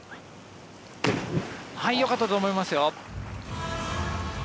よかったと思いますよ。